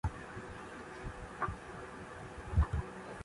مارڪيٽ تيز هوئيَ تو ٻاگھ ليڌا وارو الائِي ڪمائيَ سي۔